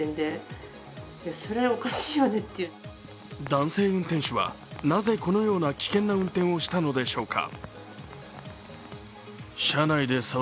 男性運転手はなぜこのような危険な運転をしたのでしょうか。